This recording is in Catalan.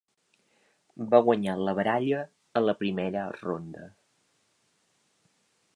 Va guanyar la baralla a la primera ronda.